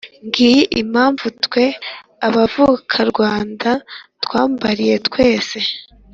ngiyi impamvu twe abavukarwanda, twambariye twese,